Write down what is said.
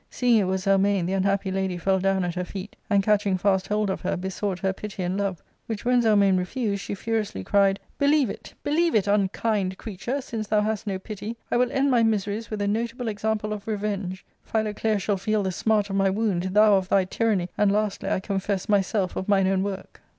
Seeing it was Zelmane, the unhappy lady fell down at her feet, and, catching fast hold of her, besought her pity and love, which when Zelmane refused, she furiously cried, " Believe it, believe it, unkind creature, since thou hast no pity, I will end my miseries with a notable example of revenge ; Philoclea shall feel the smart of my woun^, thou of thy tyranny, and lastly, I confess, myself of mine own work."